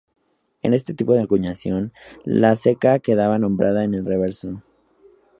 En este tipo de acuñación, la ceca quedaba nombrada en el reverso.